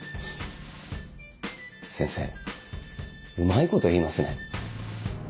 先生うまいこと言いますね。